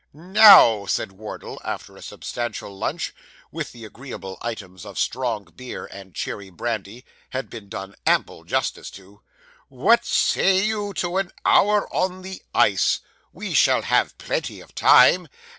'Now,' said Wardle, after a substantial lunch, with the agreeable items of strong beer and cherry brandy, had been done ample justice to, 'what say you to an hour on the ice? We shall have plenty of time.